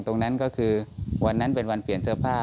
ตรงนั้นก็คือวันนั้นเป็นวันเปลี่ยนเสื้อผ้า